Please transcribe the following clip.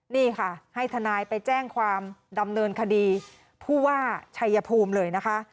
นี่ค่ะให้ทนายไปแจ้งความดำเนินคดีผู้ว่าชัยภูมิเลยนะคะ